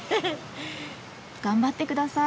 頑張って下さい。